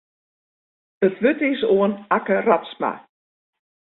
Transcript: It wurd is oan Akke Radsma.